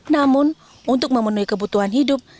namun untuk memenuhi kebutuhan hidup